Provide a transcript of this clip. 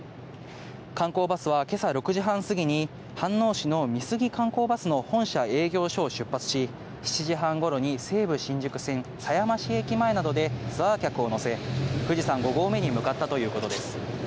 観光バスはけさ６時半過ぎに飯能市の美杉観光バスの本社営業所を出発し、７時半ごろに西武新宿線狭山市駅前などでツアー客を乗せ、富士山５合目に向かったということです。